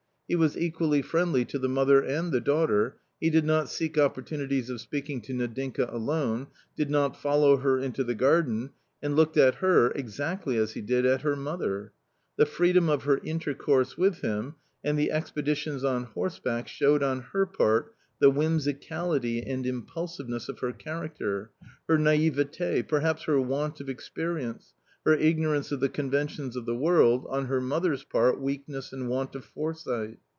He was equally friendly to the mother and the daughter ; he did not seek opportunities of speaking to Nadinka alone, did not follow her into the garden, and looked at her exactly as he did at her mother. The freedom of her intercourse with him, and the expeditions on horseback showed on her part the whimsicality and impulsiveness of her character, her naivety perhaps her want of experience, her ignorance of the conventions of the world, on her mother's part weakness want of foresight.